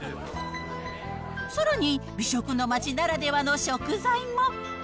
さらに美食の街ならではの食材も。